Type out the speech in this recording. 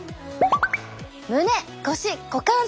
胸腰股関節。